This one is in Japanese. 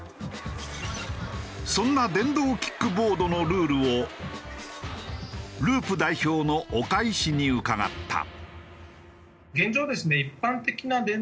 そんな電動キックボードのルールをＬｕｕｐ代表の岡井氏に伺った。